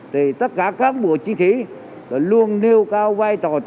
tất cả các bộ chiến sĩ luôn nêu cao vai trò tách